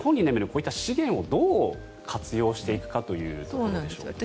こういった資源をどう活用していくかというところでしょうかね。